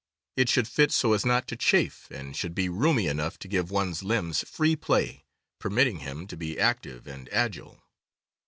It should fit so as not to chafe, and should be roomy enough to give one's limbs free play, permitting him to be active and agile.